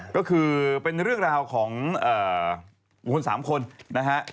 ก็คือเป็นเรื่องราวของคน๓คนนะครับ